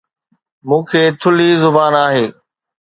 مون کي ٿلهي زبان آهي